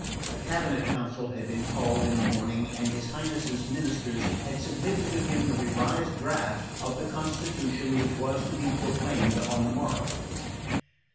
A cabinet council had been called in the morning, and his Highness's ministers had submitted to him the revised draft of the constitution which was to be proclaimed on the morrow.